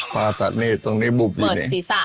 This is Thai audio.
ผ่าตัดนี่ตรงนี้บุบอยู่เนี่ย